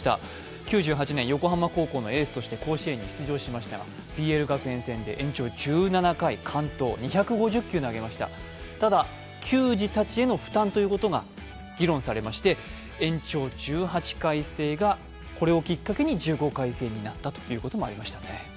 ９８年、横浜高校のエースとして出場しましたが、ＰＬ学園戦で１７回、完投、２５０球投げました、ただ球児たちへの負担ということが議論されまして延長１８回制がこれをきっかけに１５回制になったということにもなりましたね。